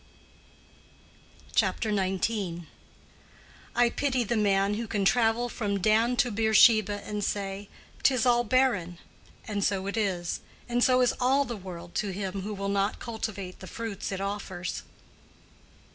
CHAPTER XIX. "I pity the man who can travel from Dan to Beersheba, and say, ''Tis all barren': and so it is: and so is all the world to him who will not cultivate the fruits it offers."